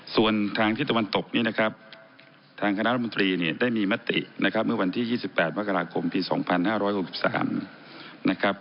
ส่วนทางที่ตะวันตกนี้นะครับทางคณะรัฐมนตรีเนี่ยได้มีมตินะครับเมื่อวันที่๒๘มกราคมปี๒๕๖๓นะครับ